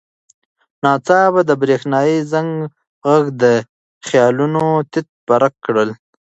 ناڅاپه د برېښنایي زنګ غږ د ده خیالونه تیت پرک کړل.